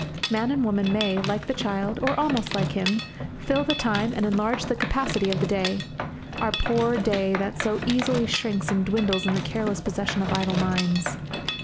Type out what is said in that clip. Man and woman may, like the child, or almost like him, fill the time and enlarge the capacity of the day our poor day that so easily shrinks and dwindles in the careless possession of idle minds.